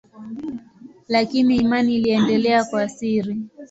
Lakini imani iliendelea kwa siri.